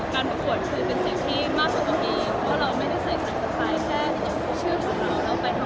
การประกวดคือเป็นสิ่งที่มากกว่าต้องกินเพราะเราไม่ได้ใส่แขนสไพร์แค่ชื่อของเราแล้วไปทำแบบนี้